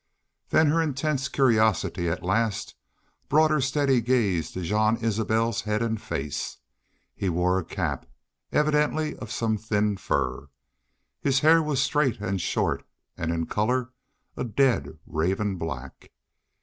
Then her intense curiosity at last brought her steady gaze to Jean Isbel's head and face. He wore a cap, evidently of some thin fur. His hair was straight and short, and in color a dead raven black.